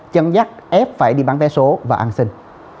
chân nhắc ép phải đi bán vé số và ăn sinh